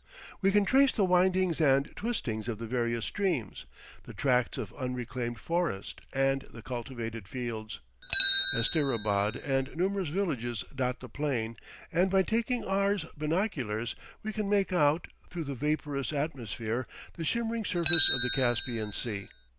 We can trace the windings and twistings of the various streams, the tracts of unreclaimed forest, and the cultivated fields. Asterabad and numerous villages dot the plain, and by taking R 's binoculars we can make out, through the vaporous atmosphere, the shimmering surface of the Caspian Sea.